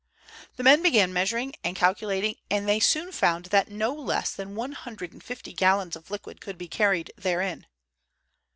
The men began measuring and calculating, and they soon found that no less than one hundred and fifty gallons of liquid could be carried therein.